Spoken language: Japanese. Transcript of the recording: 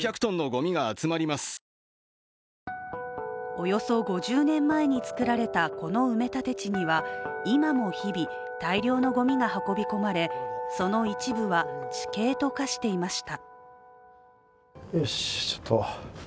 およそ５０年前に作られた、この埋め立て地には今も日々、大量のごみが運び込まれその一部は地形と化していました。